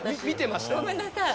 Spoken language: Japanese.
見てました。